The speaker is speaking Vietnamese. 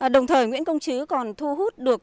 đồng thời nguyễn công chứ còn thu hút được